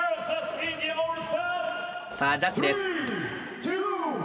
さあジャッジです。